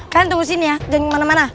kan tunggu sini ya jangan kemana mana